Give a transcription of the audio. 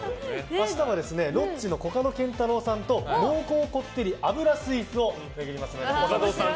明日はロッチのコカドケンタロウさんと濃厚こってり脂スイーツをお届けします。